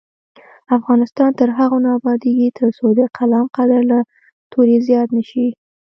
افغانستان تر هغو نه ابادیږي، ترڅو د قلم قدر له تورې زیات نه شي.